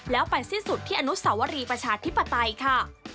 แล้วไปสิ้นสุดที่อนุสาวรีประชาธิปไตยค่ะ